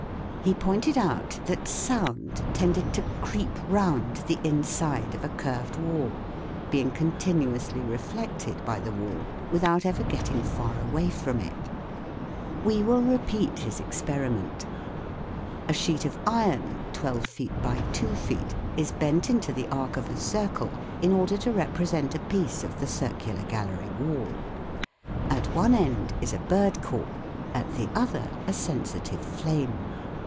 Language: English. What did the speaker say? He pointed out that sound tended to creep round the inside of a curved wall, being continuously reflected by the wall without ever getting far away from it. flG. 43. The Whispering Gallery of St. Paul's Cathedral. We will repeat his experiment. A sheet of iron, twelve feet by two feet, is bent into the arc of a circle, in order to represent a piece of the circular Gallery wall. At one end is a bird call, at the other a sensitive flame.